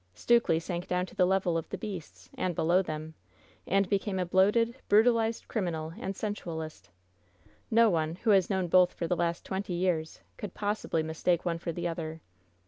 Stukely sank down to the level of the beasts, and be low them — and became a bloated, brutalized criminal and sensualist. No one, who has known both for the last twenty years, could possibly mistake one for the other.